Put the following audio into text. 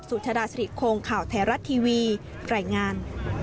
สุจราชฤทธิ์โครงข่าวแทรรัฐทีวีไฟล์งาน